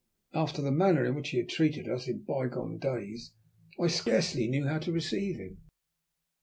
After the manner in which he had treated us in by gone days I scarcely knew how to receive him.